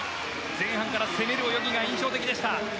前半から攻める泳ぎが印象的でした。